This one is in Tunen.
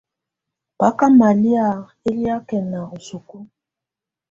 Bá ká malɛ̀á ɛlɛakɛna u isukulu.